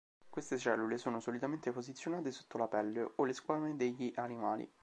Queste cellule sono solitamente posizionate sotto la pelle o le squame degli animali.